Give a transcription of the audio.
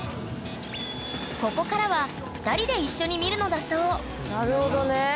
ここからは２人で一緒に見るのだそうなるほどね。